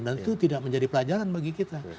dan itu tidak menjadi pelajaran bagi kita